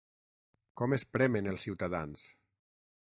Com espremen els ciutadans!